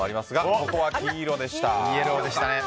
ここは黄色でした。